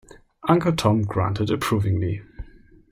Uncle Tom grunted approvingly.